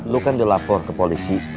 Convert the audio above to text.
lu kan di lapor ke polisi